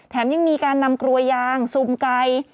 ยังมีการนำกลวยยางซุ่มไก่